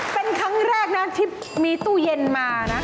เป็นครั้งแรกนะที่มีตู้เย็นมานะ